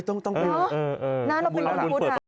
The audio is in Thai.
เออนั้นเราเป็นคนที่ควรถาม